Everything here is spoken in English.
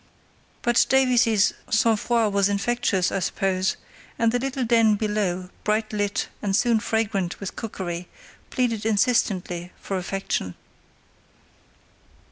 But Davies's sang froid was infectious, I suppose, and the little den below, bright lit and soon fragrant with cookery, pleaded insistently for affection.